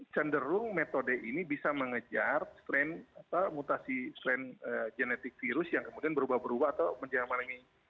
cenderung metode ini bisa mengejar strain atau mutasi strain genetic virus yang kemudian berubah berubah atau menjelang malingi